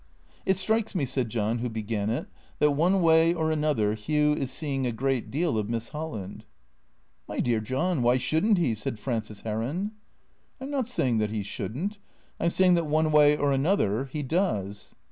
" It strikes me," said John who began it, " that one way or another Hugh is seeing a great deal of Miss Holland." " My dear John, why should n't he ?" said Frances Heron. " I 'm not saying that he should n't. I 'm saying that one way or another, he does."